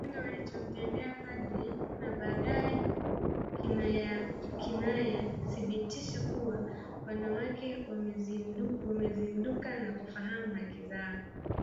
Kitendo walichomtendea Padre na baadaye Kinaya kinathibitisha kuwa wanawake wamezinduka na kufahamu haki zao